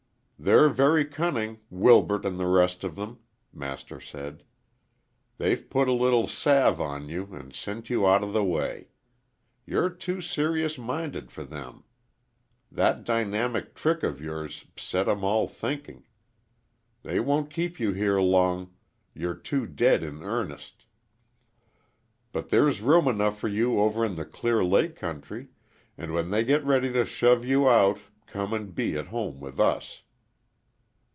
"They're very cunning Wilbert and the rest of them," Master said. "They've put a little salve on you and sent you out of the way. You're too serious minded for them. That dynamite trick of yours set 'em all thinking. They won't keep you here long you're too dead in earnest. But there's room enough for you over in the Clear Lake country, and when they get ready to shove you out come and be at home with us."